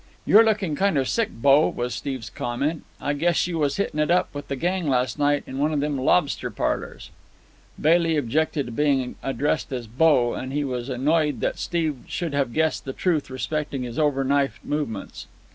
"You're lookin' kind o' sick, bo," was Steve's comment. "I guess you was hittin' it up with the gang last night in one of them lobster parlours." Bailey objected to being addressed as "bo," and he was annoyed that Steve should have guessed the truth respecting his overnight movements.